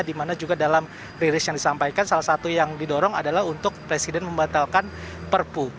dimana juga dalam rilis yang disampaikan salah satu yang didorong adalah untuk presiden membatalkan perpu